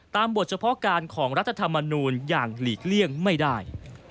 บทเฉพาะการของรัฐธรรมนูลอย่างหลีกเลี่ยงไม่ได้